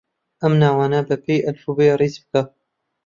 ئەم ناوانە بەپێی ئەلفوبێ ڕیز بکە.